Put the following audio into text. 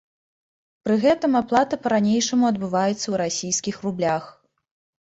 Пры гэтым аплата па-ранейшаму адбываецца ў расійскіх рублях.